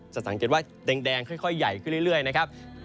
สังเกตว่าแดงค่อยใหญ่ขึ้นเรื่อยนะครับ